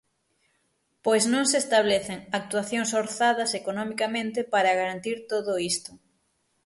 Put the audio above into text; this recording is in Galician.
Pois non se establecen actuacións orzadas economicamente para garantir todo isto.